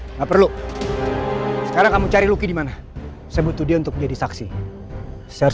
enggak perlu sekarang kamu cari luki dimana saya butuh dia untuk menjadi saksi saya harus